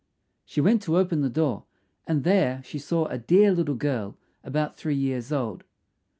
She went to open the door, and there she saw a dear little girl about three years old.